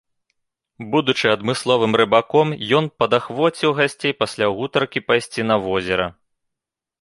Будучы адмысловым рыбаком, ён падахвоціў гасцей пасля гутаркі пайсці на возера.